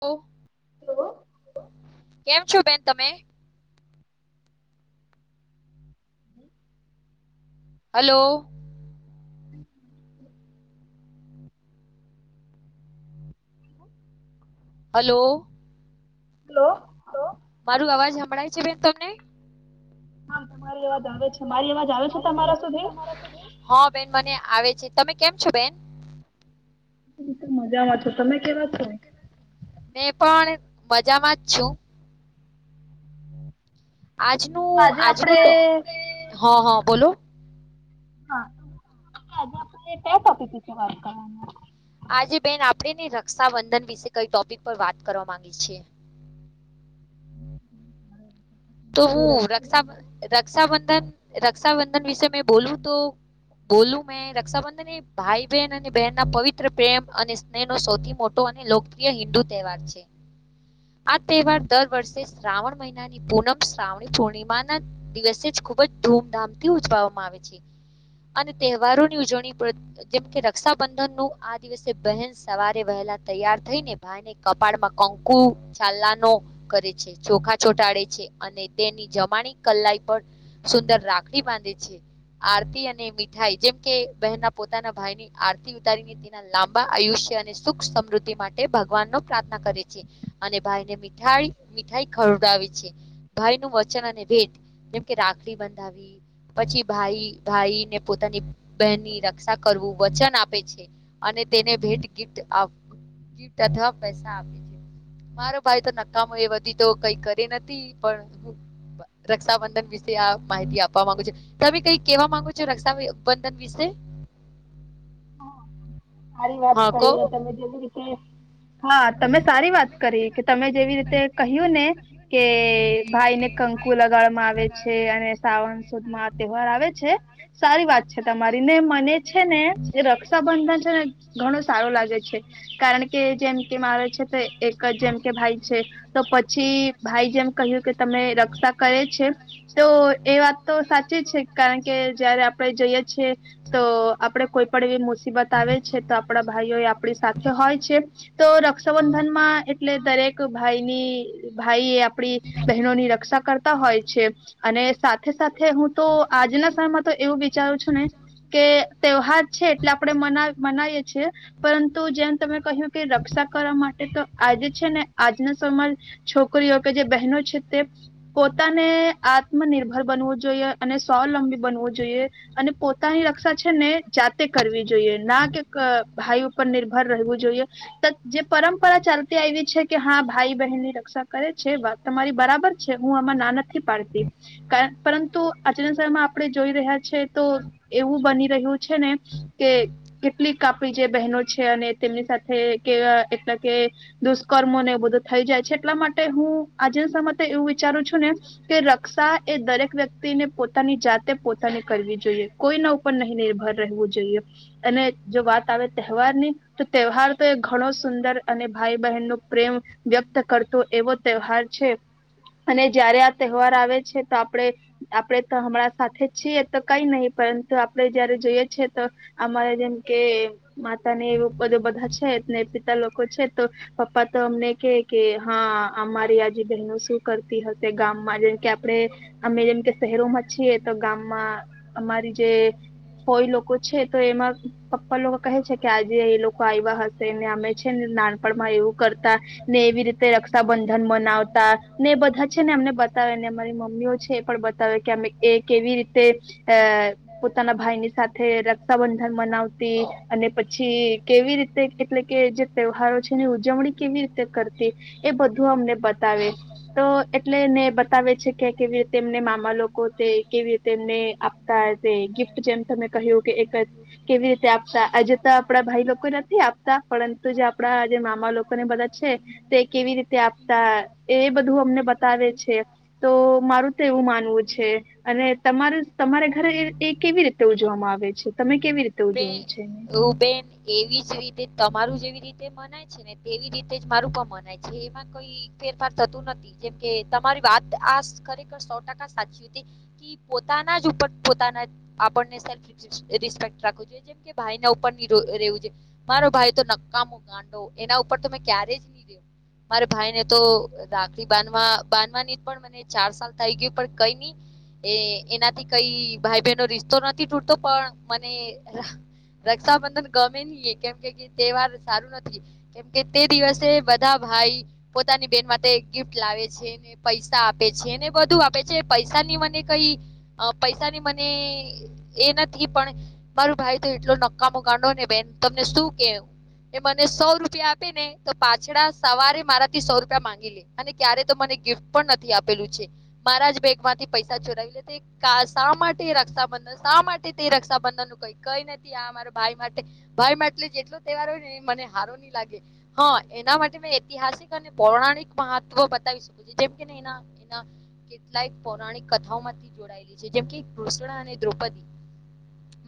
કઉ હલો કેમ છો બેન તમે? હલો હલો હલો મારું અવાજ હમળાય છે બેન તમને? હા તમારી અવાજ આવે છે હા, મારી આવે અવાજ છે મારી અવાજ તમારા આવે છે સુધી તમારા સુધી હા બેન મને આવે છે તમે કેમ છો બેન? હું મજામાં છો તમે કેવા છો મે પણ મજામાં જ છું આજનું આજે આપડે આજનું હા હા બોલો હા આજે આપણે કયા ટોપીક વિશે વાત કરવાના આજે બેન આપણે ને રક્ષાબંધન વિશે કઈ ટોપીક પર વાત કરવા માંગી છીએ [inaudible] [inaudible] તો જે હું રક્ષા રક્ષાબંધન રક્ષાબંધન રક્ષાબંધન વિશે મે બોલું તો બોલું મેં રક્ષાબંધન એ ભાઈ બહેન અને બહેનના પવિત્ર પ્રેમ અને સ્નેહનો સૌથી મોટો અને લોકપ્રિય હિન્દુ તહેવાર છે, આ તહેવાર દર વર્ષે શ્રાવણ મહિનાની પૂનમ શ્રાવણી પૂર્ણિમાંના દિવસે જ ખુબ જ ધૂમધામથી ઉજવામાં આવે છે. અને તહેવારોની ઉજવણી પ્ર જેમ કે રક્ષાબંધનનું આ દિવસે બહેન સવારે વહેલા તૈયાર થઈને ભાઈને કપાળ માં કંકુ ચાલ્લાનો કરે છે ચોખા ચોંટાડે છે, અને તેની જમાણી કલાઈ પણ સુંદર રાખડી બાંધે છે. આરતી અને મીઠાઈ જેમ કે બહેનના પોતાના ભાઈની આરતી ઉતારીને તેના લાંબા આયુષ્ય અને સુખ સમૃદ્ધિ માટે ભગવાનનો પ્રાર્થના કરે છે અને ભાઈને મીઠાઈ મીઠાઈ ખ ખવડાવે છે ભાઈનું વચન અને ભેટ જેમ કે રાખડી બંધાવી પછી ભાઈ ભાઈને પોતાની બહેનની રક્ષા કરવું વચન આપે છે અને તેને ભેટ ગીફ્ટ આ ગિફ્ટ અથવા પૈસા આપે છે મારો ભાઈતો નકામો એ બધી તો કઈ કરી નથી પણ [unintelligible] રક્ષાબંધન વિશે આ માહિતી આપવા માંગુ છો તમે કઈ કેવા માંગો છો રક્ષાબંધન વિશે [inaudible] હા સારી વાત હા કહો કરી તમે જેવી રીતે હા તમે સારી વાત કરી કે તમે જેવી રીતે કહ્યું ને કે ભાઈને કંકુ લગાડમાં આવે છે અને સાવણ સુદમાં આ તહેવાર આવે છે સારી વાત છે તમારી ને મને છે ને રક્ષાબંધન છે ને ઘણું સારું લાગે છે કારણ કે જેમ કે મારે છે તો એક જ જેમ કે ભાઈ છે તો તો પછી ભાઈ જેમ કહ્યું કે તમે રક્ષા કરે છે તો એ વાત તો સાચી છે કારણ કે જયારે આપણે જઈએ છીએ તો આપણે કોઈ પણ મુસીબત આવે છે તો આપણા ભાઈઓ આપણી સાથે હોય છે તો રક્ષાબંધનમાં એટલે દરેક ભાઈની ભાઈ એ આપણી બહેનોની રક્ષા કરતા હોય છે અને સાથે સાથે હું તો આજના સમયમાં તો એવું વિચારું છું ને કે તહેવાર છે એટલે આપણે માનવ મનાવીએ છીએ પરંતુ જેમ તમે કહ્યું કે રક્ષા કરવા માટે તો જે છે ને આજના સમ છોકરીઓ કે જે બહેનો છે તે પોતાને આ આત્મનિર્ભર બનવું જોઈએ અને સ્વલંબી બનવું જોઈએ અને પોતાની રક્ષા છે ને જાત તે કરવી જોઈએ ના કે ભાઈ ઉપર નિર્ભર રહેવું જોઈએ જે પરંપરા ચાલતી આઇવિ છે કે હા ભાઈ બહેનની રક્ષા કરે છે વાત તમારી બરાબર છે હું આમાં ના નથી પાડતી કાર પરંતુ આચરણ સમયમાં આપણે જોઈ રહ્યા છે તો એવું બની રહ્યું છે ને કે કેટલીક આપડી જે બહેનો છે અને તેમની સાથે કે એટલા કે દુષ્કર્મોને એ બધું થઈ જાય છે એટલા માટે હું આજેના સમયમાંતો એવું વિચારું છું ને કે રક્ષા એ દરેક વ્યક્તિને પોતાની જાતે પોતાને કરવી જોઈએ કોઈના ઉપર નહી નિર્ભર રહેવું જોઈએ અને જો વાત આવે તહેવારની તો તહેવારતો એ ઘણો સુંદર અને ભાઈ બ બહેનનો પ્રેમ વ્યક્ત કરતો એવો તહેવાર છે અને જયારે આ તહેવાર આવે છે તો આપડે આપડે તો હમણાં સાથે છીએ તો કઈ નહી પરંતુ આપડે જયારે જોઈએ છે તો અમારે જેમ કે માતાને એ બધો બધા છે ને પિતા લોકો છે તો પપ્પા તો અમને કે કે હા અમારી આજી બહેનો શું કરતી હશે ગામમાં જેમ કે આપડ. અમે જેમ કે શહેરોમાં છીએ તો ગામમાં અમારી જે હોય લોકો. છે તો એમાં પપ્પા લોકો કહે છે કે આજે એ લોકો આવ્યા હશે ને અમે છે ને નાનપણમાં એ એવું કરતાં ને એવી રીતે રક્ષાબંધન મનાવતા ને એ બધા છે ને અમને બતાવેને અમારી. મમ્મીઓ છે એ પણ બતાવે કે એ કેવી રીતે અ પોતાના ભાઈની સાથે ર રક્ષાબંધન મનાવતી અને પછી કેવી રીતે એટલે કે જે તહેવારો છે ને ઉજવણી કેવી રીતે કરતી એ બધું અમને બતાવે તો એટલેને બતાવે છે. કે કેવી રીતે તેમને મામા લોકો તે કેવી રીતે તેમને આપતા તે. ગિફ્ટ જેમ તમે કહ્યું કે કેવી રીતે આપતા આજતો આપડા ભાઈ લોકો નથી. આપતા પરંતુ જે આપણા જે મામા લોકોને બધા છે. તે કેવી રીતે આપ એ બધું અમને બતાવે છે. તો મારું તો એવું માનવું છે. અને તમા તમારા ઘરે એ કેવી રીતે ઉજવામાં આવે છે? તમે કેવી રીતે ઉજવો બેન છેને? બેન એવી જ રીતે તમારું જેવી રીતે મનાય છે. ને તેવી રીતે જ મારું પણ મનાય છે. એમાં કોઈ ફેરફાર થતું નથી. જેમકે તમારી વાત આ ખરેખર સો ટકા સાચી હતી. કે પોતાના પોતાના ઉપરજ સેલરીસફેકટ જોઈએ. જેમ કે ભાઈ ઉપર મારો ભાઈ તો નક્કામો ગાંડો એના ઉપર તો મે ક્યારે જ નહી રહેમ. મારે ભાઈ ને તો રાાખડી બાંધવા બાંધવાની પણ મને ચાર સાલ થઈ ગય પણ કઈ નઈ. એ એનાથી કઈ ભાઈ બહેનો રિશતો નથી તૂટતો પણ મને રક્ષાબંધન ગ તહેવાર સારું નથી. કેમકે તે દિવસે બધા ભાઈ પોતાની ગિફ્ટ લાવે છે. ને પૈસા આપે છે. ને બધું આપે છે. પૈસાની મને કઈ પૈસાની મને એ નથી. પણ મારું ભાઈ તો એટલો નક્કામો કાંડોને બેન તમને શું કેવ. એ મને સો રૂપિયા આપે ને તો પાછડા સવારે મારાથી સો રૂપિયા માંગી લે અને ક્યારે તો મને ગીફ્ટ નથી આપલું છે. મારા જ બેગ માંથી પૈસા ચોરાવી લે શા માટે રક્ષા શા માટે તે રક્ષાબંધન નું કઈ કઈ નથી. આ અરા ભાઈ માટે ભાઈટલે જેટલો તહેવાર હોય ને એ મને હારો નની લાગે હા એના માટે મેં ઐતિહાસિક અને પૌર્ણા મહત્વ બતાવી શકો છે. જેમ કે એના એના કેટલાયક પૌરાણિક કથાઓમાંથી જોડાયેલી છે. જેમ કે કૃષ્ણ અને દ્રૌપદી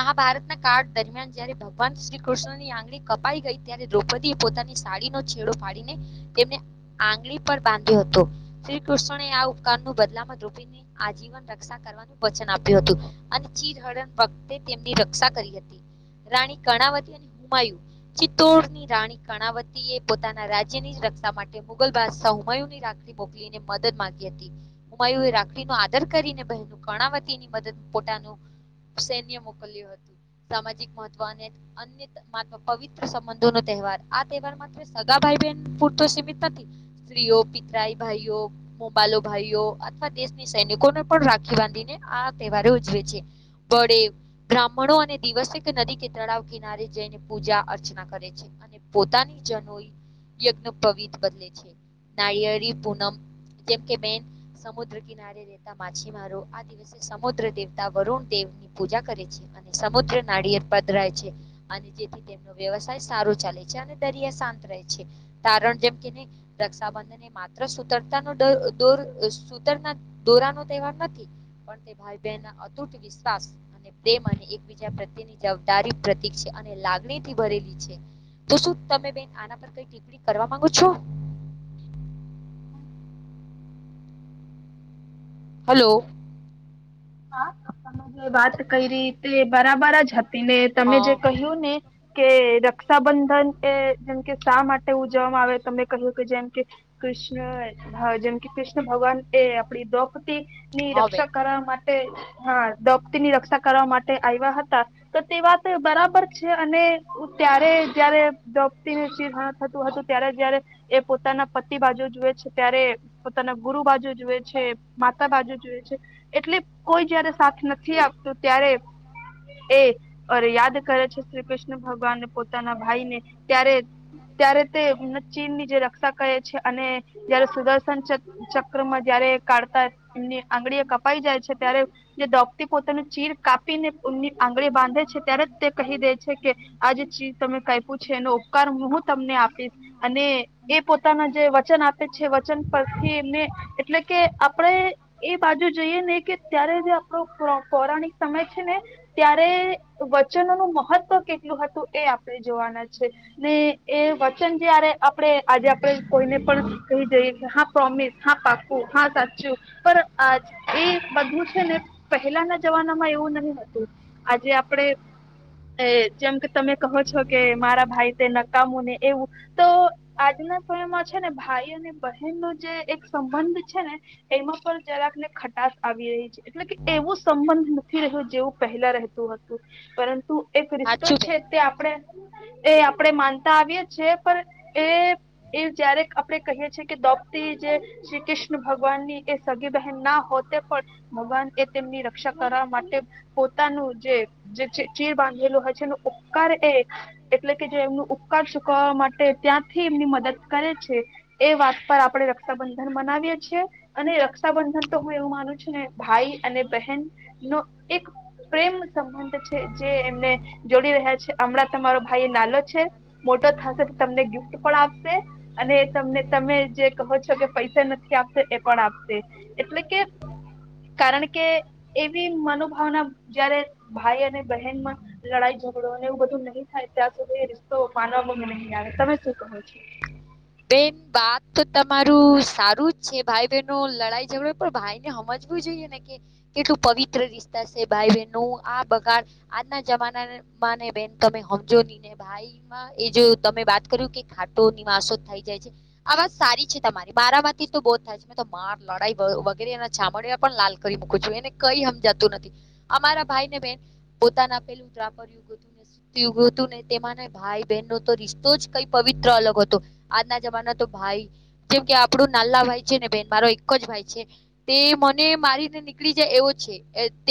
મહાભારતના કાળ દરમિયાન જયારે ભ શ્રી કૃષ્ણની આંગળી કપાઈ ગઈ. ત્યારે દ્રૌપદી એ પોતાની સાડીનો છેડો ફાંડીને તેમને આંગળી પર બાંધ્યો હતો. શ્રી કૃષ્ણે આ ઉપકાર ન બદલામાં ર્રૂપીને આજીવન રક્ષા નું વચન આપ્યું હતું. અને ચીર હરણ વખતે તેમની રક્ષા કરી હતી. રાણી કર્ણાવતી હુમાયું ચિત્તરની રાણી કર્ણાવતી એ પોતાના રાજ્યની રક્ષા માટે મુગલ બાદશા હુમાયુ ની રાખડી મોકલીને મદદ માંગી હતી. હુમાયુ એ રાખડી નો આદર કરીને બહે કરણાવતીની મદદ પોતાનું સૈન્ય મોકલ્યું હતું. સામાજિક મહત્વ અને અન્ય પવિત્ર સંબંધો ન તહેવાર આ તહેવાર માત્ર સગા ભાઈ બહેન પૂરતો સીમિત સ્ત્રીઓ પિતરાઈ ભાઈઓ મોબલો ભાઈઓ અથવા દેશની સૈનિકોને પણ રાખી બાંધીને આ તહેવારો ઉજવે છે. બળે બ્રાહ્મણો અને દિવસે નદી કે તળાવ કિનારે જઈને પૂજા અર્ચના કરે છે. અને પોતાની જનોઈ યજ્ઞ પવિત બદલે છે. નારિયેળ પૂનમ જેમ કે બેન સમુદ્ર કિનારે રતા માછીમારો આ દિવસે સમુદ્ર દેવતા વરુણ દેવ ની પૂજા કરે છે. અને સમુદ્ર નાળિયે પધરાય છે. અને જેથી તેમનો વ્યવસાય સારો ચાલે છે. અને દરિયા શાંત રહે છે. તણ જેમ કેહી રક્ષાબંધને માત્ર સુતરતા નો સુતર દોરાનો તહેવાર નથી. પણ તે ભાઈ બહેનના અતુટ વિશ્વાસ અને પ્રેમ અને એકબીજા પ્રત્યેની જવાબદારીય ઠી છે. અને લાગણી થી ભરેલી છે. તો શું તમે બેન આના પર કઈ ટીપડી કરવા માંગો છો? [inaudible] હલો. હા તમે જે વાત કરી ર તે બરાબર જ હતી. ને તમે જે હા કહ્યું ને કે રક્ષાબંધન એ જેમ કે શા માટે ઉજવવામાં આવે તમે કહ્યું કે જેમ કે કૃષ્ણ જેમ કે કૃષ્ણ ભગવાન એ આપડી દોપતી ની હા બેન રક્ષા કરવા માટે હા દોપતી ની રક્ષા કરવા માટે આવ્યા હતા. તો તે વાત બરાબર છે. અને ત્યારે જયારે દોપતી નું ચિર હરણ થતું હતું ત્યારે જયારે એ પોતાના પતિ બાજુ જુએ છે ત્યારે પોતા ના ગુરુ બાજુ જુએ છે માતા બાજુ જુએ છે એટલે. કોઈ જયારે સાથ નથી આપતું ત્યારે. એ અરે યાદ કરે છે શ્રી કૃષ્ણ ભગવાનને પોતાના. ભાઈને ત્યારે ત્યારે તે ચીન ની જે રક્ષા કહે છે અને જ. સુદર્શન ચક ચક્રમાં જયારે કાઢતા એમની આંગળી એ કપાઈ જાય છે. ત્યારે જે દોકતી પોતાનું ચીર કાપીને આંગળી બાંધે છે ત્યારે જ તે કહી દે છે કે. આ જે ચીર તમે ક્યપુ છે એનો ઉપકાર હ હું તમને આપીશ અને એ પોતાના જે વચન. આપે છે વચન પરથી એટલે કે આપણે એ બાજુ જઈએ ને કે. જે આપણો પો પૌરાણિક સમય છે ને ત્યારે વચનો નું મહત્વ કેટલું હત. હતું એ આપણે જોવાના છે ને એ વચન જયારે આપણે આજે આપડણે કોઈને પણ. કહી જઈએ હા પ્રોમિસ હા પાકું હા સાચું પણ આજ એ. હું છે ને પહેલાના જમાનામાં એવું નહી હતું આજે આપડે. એ જેમ કે તમે કહો છો કે મારા ભાઈ તે નકામું ને એવું તો આજે. ના સમયમાં છે ને ભાઈ અને. બહેન નો જે એક સંબંધ છે ને એમાં પણ જરાક ને ખટાસ આવી રહી છે. એટલે કે એવો સંબંધ નથી રહ્યો જેવું પહેલા રહેતું હતું પરં તું એક રિશતો સાચું બેન છે તે આપણે એ આપણે માન તા આવી એ છે પણ એ એ જયારે આપણે કહીએ છીએ કે દોપતી જે શ્રી કૃષ્ણ. વિષ્ણુ ભગવાનની એ સગી બહેન ના હોતે. પણ ભગવાન એ તેમની રક્ષા કરવા માટે પોતાનું જે ચીર બાંધેલું હોય છે. તનો ઉપકાર એ. એટલે કે જે એમનું ઉપકાર ચૂકવવા માટે ત્યાંથી એમની મદદ કરે છે એ. વાત પર આપડે રક્ષાબંધન મનાવીએ છીએ અને રક્ષાબંધન તો હું એવું માનું છ ભાઈ અને બહેન નો એક પ્રેમ સંબંધ છે જે એમને. જોડી રહ્યા છે હમણાં તમારો ભાઈ એ નાલો છે મોટો થશે તો તમને ગિફ્ટ પણ આપશે. અને તમને તમે જે કહો છો કે પૈસા નથી આપતો એ પણ આપશે એટલે કે. કારણ કે એવી મનોભાવના જયારે ભાઈ અને બહેનમાં લડાઈ. ઝઘડો ને એવું બધું નહી થાય ત્યાં સુધી રિસ્તો માનવામાં નહીં આવે તમે શું કહો છો. બેન વાત તો તમારું સારું જ છે ભાઈ બહેનો લડાઈ ઝઘડો પણ ભાઈ ને સમ વુ જોઈએને કે કેટલું પવિત્ર રિશતા છે ભાઈ બહેનો ન આ બગાડ આજના જમાના. માને બેન તમે સમજો ની ને ભાઈમાં એ જો તમે વાત કર્યું કે ખાટો માસો. થાઇ જાય છે આ વાત સારી છે તમારી મારામાંથી તો બહુ જ થાય છે મે તો માર લડાઈ વગેરે એના છામડ. લાલ કરી મુકું છું એને કઈ હમજાતું નથી અમારા ભાઈ ને બેન પોતાના પેલું ત્રાપ હતું ને તેમાં ના ભાઈ બહેન નો તો રિશ્તો જ કઈ પવિત્ર અલગ હતો. આજના જમાના તો ભાઈ જેમ કે આપડું નાલા ભાઈ છે ને બેન મારો એક જ ભાઈ છે તે. મને મારીને નીકળી જાય એવો છે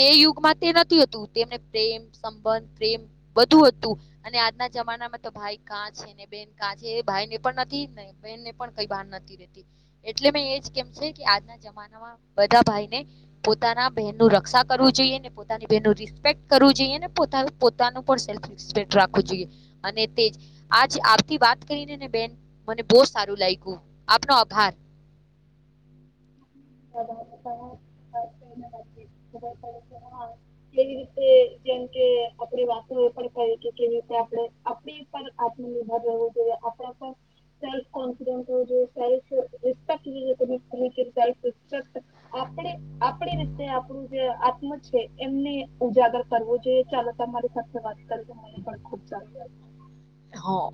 તે યુગમાં તે નથીતું તેમને પ્રેમ સંબંધ. પ્રેમ બધું હતું અને આજના જમાનામાં તો ભાઈ કાં છે ને બેન કાં છે ભાઈને. પણ નથી ને બેનને પણ કઈ ભાન નથી રેતુ એટલે મે એજ કેમ છે કે આજના જમાનામાં. બઘા ભાઈને પોતાના બહેન નુ રક્ષા કરવું જોઈએ ને પોતાની બહેનનું રિસ્પેક્ટ કરવું જોઈએ ને પોતા પોતાનો પણ સેલ્ફ રિસ્પેકટ રાખવો જોઈએ અને તે આજ આપથી વાત કરીને ને બેન. મને બહુ સારું લાયગુ આપનો આભાર. હ. કેવી રીતે જેમ કે આપણે વાતુ કે કેવી રીતે. તે આપણે આપણી પર આત્મનિર્ભર રહેવું જોઈએ આપણા પર સેલ્ફ કોન્ફિડેસ હોવો જોઈએ સેલ્ફ રિસ્પેક્ટ [unintelligible] તમે જે સેલ્ફી ઇન્સ્પેક્ટર આપણે આપણી રીતે આપડુ જે અપ આયપા છે એમને ઉજાગર કરવો જોઈએ ચાલો તમારી સાથે વાત કરી મને પણ ખુબ સારું લાગ્યું. હા.